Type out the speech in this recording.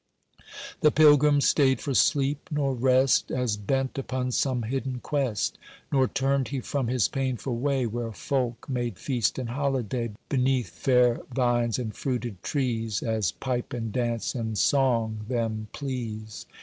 The Pilgrim stayed for sleep nor rest, As bent upon some hidden quest; Nor turned he from his painful way Where folk made feast and holiday Beneath fair vines and fruited trees, As pipe, and dance, and song them please.